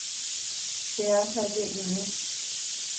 Cheasaje'imi